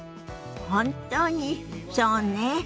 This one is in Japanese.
本当にそうね。